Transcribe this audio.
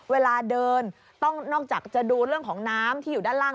เวลาเดินต้องนอกจากจะดูเรื่องของน้ำที่อยู่ด้านล่าง